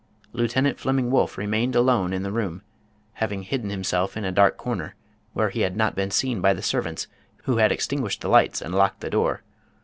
Lieutenant Flemming Wolff re mained alone in the room, having hidden himself in a dark corner where he had not been seen by the servants, who had extinguished the lights and locked the door.